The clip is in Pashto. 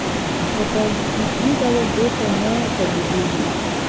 په طبیعي ډول بېرته نه تولیدېږي.